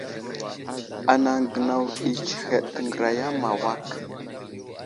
Anaŋ gənaw ɗi tsəhed təŋgəraya ma awak.